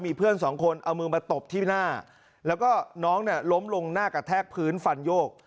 มีเพื่อนสองคนเอามือมาตบที่หน้าแล้วก็น้องเนี่ยล้มลงหน้ากระแทกพื้นฟันโยก